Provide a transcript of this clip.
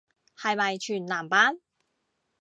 係咪全男班